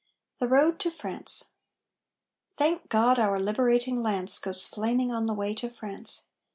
THE ROAD TO FRANCE Thank God our liberating lance Goes flaming on the way to France!